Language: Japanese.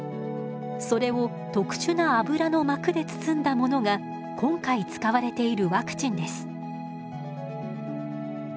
それを特殊な油の膜で包んだものが今回使われているワクチンです。